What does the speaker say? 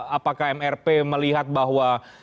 apakah mrp melihat bahwa